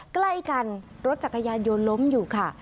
ใกล้กันรถจักรยานยนต์ล้มอยู่ค่ะ